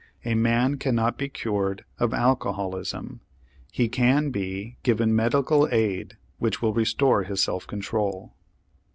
A man cannot be cured of alcoholism. He can be given medical aid which will restore his self control.